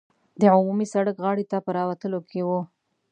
د عمومي سړک غاړې ته په راوتلو کې وو.